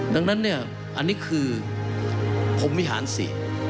ดังนั้นเนี่ยอันนี้คือพรมวิหารสิ